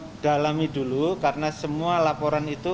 kita dalami dulu karena semua laporan itu